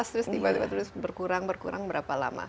terus tiba tiba terus berkurang berkurang berapa lama